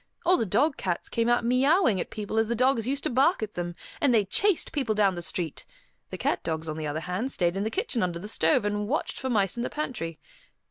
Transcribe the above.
All the dog cats came out meowing at people as the dogs used to bark at them, and they chased people down the street; the cat dogs, on the other hand, stayed in the kitchen under the stove, and watched for mice in the pantry.